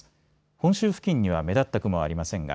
本州付近には目立った雲はありませんが